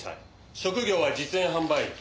職業は実演販売員。